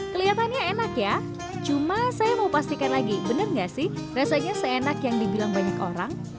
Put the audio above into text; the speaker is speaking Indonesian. kelihatannya enak ya cuma saya mau pastikan lagi benar nggak sih rasanya seenak yang dibilang banyak orang